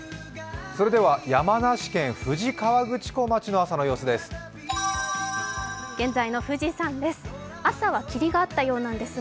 山梨県富士河口湖町の朝の様子です。